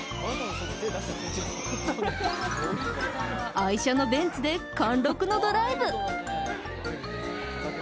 愛車のベンツで貫禄のドライブ。